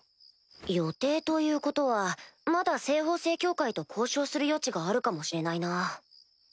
予定ということはまだ西方聖教会と交渉する余地があるかもしれないな。